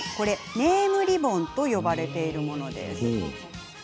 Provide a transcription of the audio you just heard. ネームリボンと呼ばれているものです。